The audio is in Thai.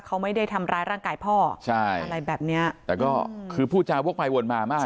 เขาไม่ได้ทำร้ายร่างกายพ่อใช่อะไรแบบเนี้ยแต่ก็คือพูดจาวกไปวนมามาก